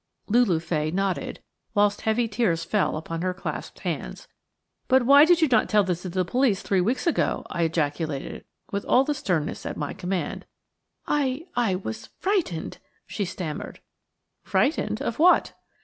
Lulu Fay nodded, whilst heavy tears fell upon her clasped hands. "But why did you not tell this to the police three weeks ago?" I ejaculated, with all the sternness at my command. "I–I was frightened," she stammered. "Frightened? Of what?"